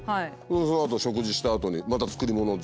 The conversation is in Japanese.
でそのあと食事したあとにまた作りものを。